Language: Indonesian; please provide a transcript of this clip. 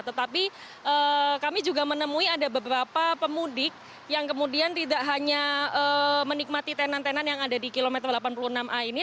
tetapi kami juga menemui ada beberapa pemudik yang kemudian tidak hanya menikmati tenan tenan yang ada di kilometer delapan puluh enam a ini